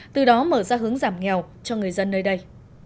từ đó mở ra hướng giảm nghèo cho người dân nơi đây